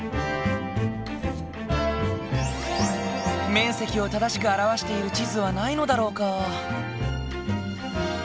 面積を正しく表している地図はないのだろうか？